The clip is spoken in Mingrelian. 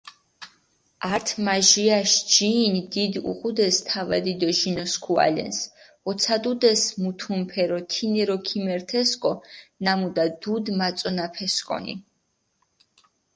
ართიმაჟირაშ ჯინი დიდი უღუდეს თავადი დო ჟინოსქუალენს, ოცადუდეს მუთუნფერო, თინერო ქიმერთესკო ნამუდა დუდი მაწონაფესკონი.